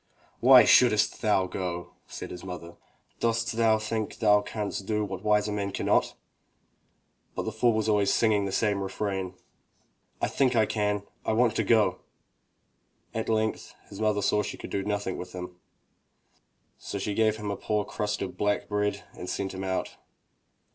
"Why shouldst thou go?'* said his mother. "Dost thou think thou canst do what wiser men cannot?" But the fool was always singing the same refrain, "I think I can! I want to go!" At length his mother saw she could do nothing with him, so she gave him a poor crust of black bread and sent him out.